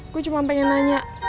gue cuma pengen nanya